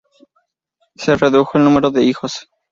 Se redujo el número de hijos.